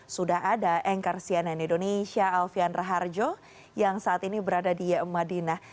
sudah ada anchor cnn indonesia alfian raharjo yang saat ini berada di madinah